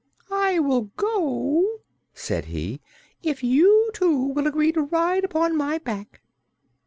"I will go," said he, "if you two will agree to ride upon my back."